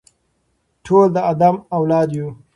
ټول د آدم اولاد یو.